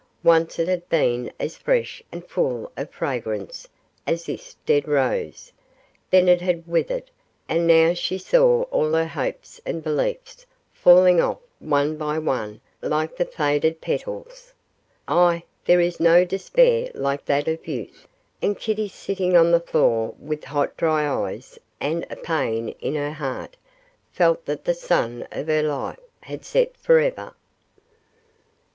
Once it had been as fresh and full of fragrance as this dead rose; then it had withered, and now she saw all her hopes and beliefs falling off one by one like the faded petals. Ah, there is no despair like that of youth; and Kitty, sitting on the floor with hot dry eyes and a pain in her heart, felt that the sun of her life had set for ever.